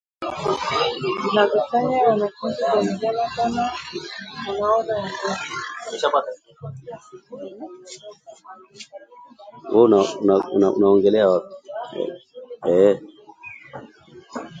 zinazofanya wanafunzi kuonekana kama manahodha wa meli